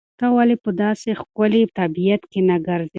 ته ولې په داسې ښکلي طبیعت کې نه ګرځې؟